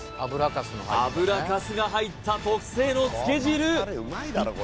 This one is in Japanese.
油かすが入った特製のつけ汁